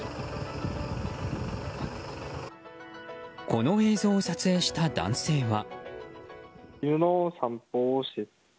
この映像を撮影した男性は。